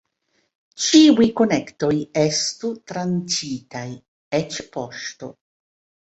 Ĉiuj konektoj estu tranĉitaj, eĉ poŝto.